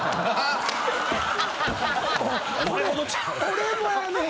「俺もやねん」